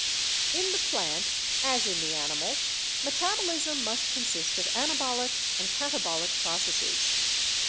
In the plant as in the animal metabolism must consist of anabolic and katabolic processes.